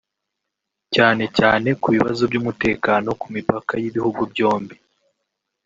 cyane cyane ku bibazo by’umutekano ku mipaka y’ibihugu byombi